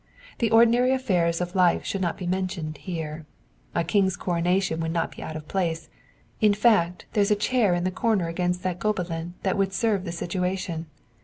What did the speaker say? The ordinary affairs of life should not be mentioned here. A king's coronation would not be out of place, in fact, there's a chair in the corner against that Gobelin that would serve the situation.